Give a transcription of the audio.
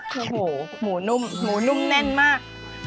คือโหหมูนุ่มหมูนุ่มแน่นมาก